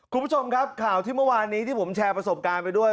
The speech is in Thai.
คุณผู้ชมครับข่าวที่เมื่อวานนี้ที่ผมแชร์ประสบการณ์ไปด้วย